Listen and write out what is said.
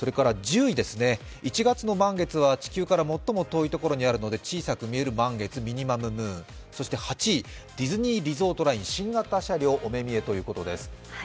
１０位、１月の満月は地球から最も遠いところにあるので小さく見える満月、ミニマムムーン、そして８位、ディズニーリゾートライン、新型車両お目見えということです。